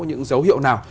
những dấu hiệu nào